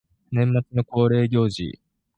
年末の恒例行事